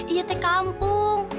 iya teh kampung